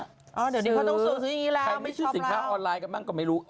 นี่ไม่ได้ว่าเธอหมดซื้อซินค้าออนไลน์กันบ้างก็ไม่รู้